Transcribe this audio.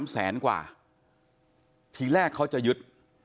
แสนกว่าทีแรกเขาจะยึด